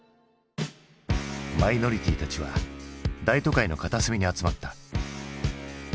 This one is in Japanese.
マイノリティーたちは大都会の片隅に集まった。